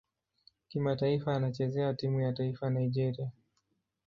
Kimataifa anachezea timu ya taifa Nigeria.